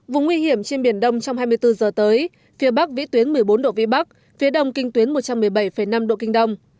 vùng nguy hiểm trên biển đông trong hai mươi bốn giờ tới phía bắc vĩ tuyến một mươi bốn độ vĩ bắc phía đông kinh tuyến một trăm một mươi bảy năm độ kinh đông